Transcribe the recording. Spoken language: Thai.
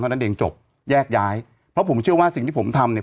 นั้นเองจบแยกย้ายเพราะผมเชื่อว่าสิ่งที่ผมทำเนี่ย